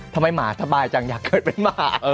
ทำไมหมาสบายจังอยากเกิดเป็นหมา